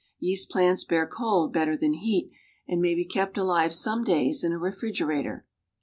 Yeast plants bear cold better than heat and may be kept alive some days in a refrigerator.